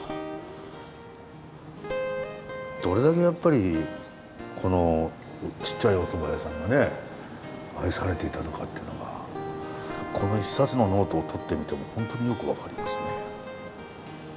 どれだけやっぱりこのちっちゃいおそば屋さんがね愛されていたのかっていうのがこの一冊のノートをとってみてもホントによく分かりますね。